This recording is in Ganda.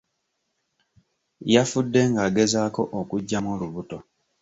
Yafudde ng'agezaako okuggyamu olubuto.